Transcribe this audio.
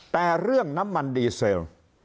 แต่เรื่องน้ำมันดีเซล